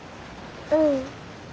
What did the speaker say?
うん。